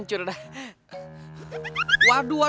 siapa di mana